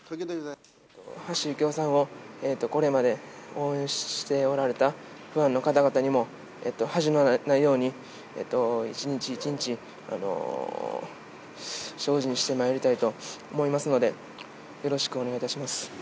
橋幸夫さんをこれまで応援しておられたファンの方々にも恥のないように、一日一日精進してまいりたいと思いますので、よろしくお願いいたします。